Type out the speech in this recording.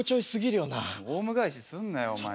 おうむ返しすんなよお前。